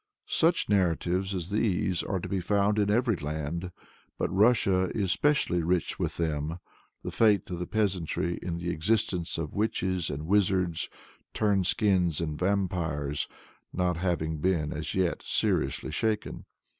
Such narratives as these are to be found in every land, but Russia is specially rich in them, the faith of the peasantry in the existence of Witches and Wizards, Turnskins and Vampires, not having been as yet seriously shaken.